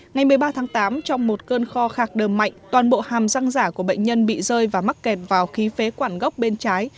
ngày một mươi ba tháng tám trong một cơn kho khạc đờm mạnh toàn bộ hàm răng giả của bệnh nhân bị rơi và mắc kẹt vào khí phế quản gốc bên trái